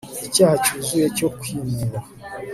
Icyaha cyuzuye cyo kwinuba